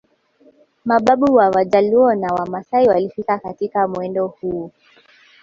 Mababu wa Wajaluo na Wamasai walifika katika mwendo huu